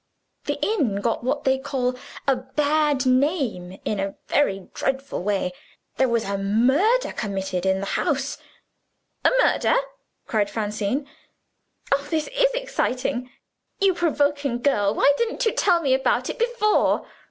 The inn got what they call a bad name in a very dreadful way. There was a murder committed in the house." "A murder?" cried Francine. "Oh, this is exciting! You provoking girl, why didn't you tell me about it before?"